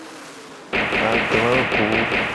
Aglago.